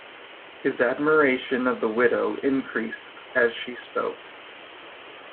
His admiration of the widow increased as she spoke.